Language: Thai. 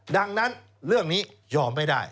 ดังนั้นเรื่องนี้ยอมไม่ได้